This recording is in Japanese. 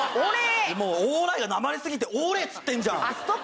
もうオーライがなまりすぎてオーレーっつってんじゃんあっ